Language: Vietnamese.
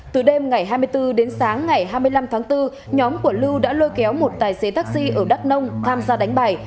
từ đến sáng ngày hai mươi năm tháng bốn nhóm của lưu đã lôi kéo một tài xế taxi ở đắk nông tham gia đánh bài